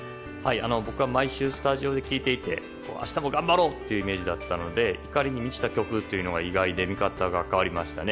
僕は毎週スタジオで聴いていて明日も頑張ろうというイメージだったので怒りに満ちていたのが意外で見方が変わりましたね。